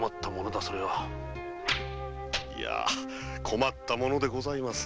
困ったものでございます。